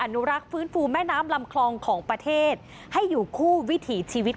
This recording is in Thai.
นุรักษ์ฟื้นฟูแม่น้ำลำคลองของประเทศให้อยู่คู่วิถีชีวิต